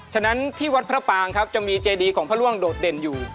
ฉะนั้นที่วัดพระปางครับจะมีเจดีของพระร่วงโดดเด่นอยู่